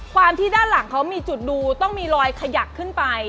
ความที่ด้านหลังเขามีจุดดูต้องมีรอยขยักขึ้นไป